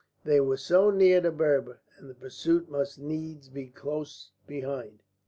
They were so near to Berber, and the pursuit must needs be close behind.